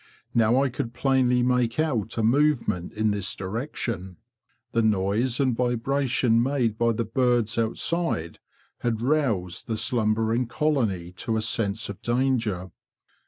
Now I could plainly make out a movement in this direction. The noise and vibration made by the birds outside had roused the slumbering colony to a sense of danger.